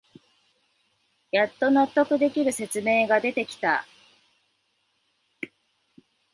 やっと納得できる説明が出てきた